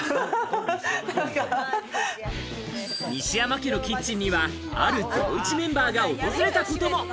西山家のキッチンにはある『ゼロイチ』メンバーが訪れたことも。